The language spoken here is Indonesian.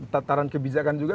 tataran kebijakan juga